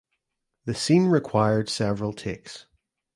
The scene required several takes.